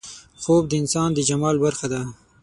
خوب د انسان د جمال برخه ده